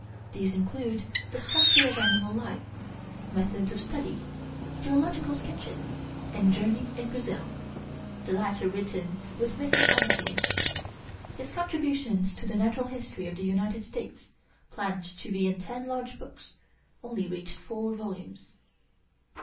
These include 'The Structure of Animal Life,' 'Methods of Study,' 'Geological Sketches,' and 'Journey in Brazil,' the latter written with Mrs. Agassiz. His 'Contributions to the Natural History of the United States,' planned to be in ten large books, only reached four volumes.